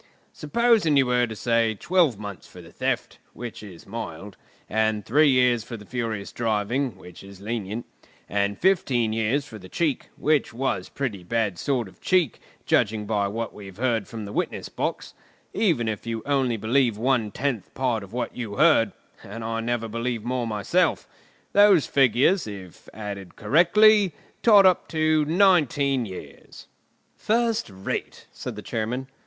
Supposing you were to say twelve months for the theft, which is mild; and three years for the furious driving, which is lenient; and fifteen years for the cheek, which was pretty bad sort of cheek, judging by what we've heard from the witness box, even if you only believe one tenth part of what you heard, and I never believe more myself—those figures, if added together correctly, tot up to nineteen years——" "First rate!" said the Chairman.